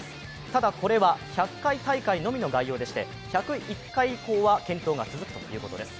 ただこれは１００回大会のみの概要でして１０１回以降は検討が続くということです。